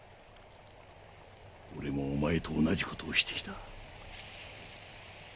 俺もお前と同じ事をしてきた。